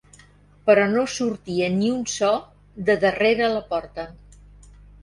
Però no sortia ni un so de darrere la porta.